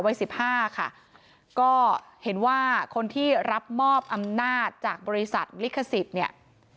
สิบห้าค่ะก็เห็นว่าคนที่รับมอบอำนาจจากบริษัทลิขสิทธิ์เนี่ย